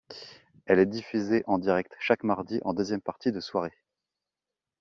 Elle est diffusée en direct chaque mardi en deuxième partie de soirée.